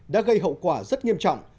đã gây hậu quả rất nghiêm trọng